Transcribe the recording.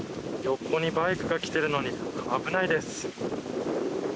横にバイクが来てるのに危ないです。